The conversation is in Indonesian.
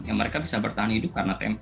ya mereka bisa bertahan hidup karena tempe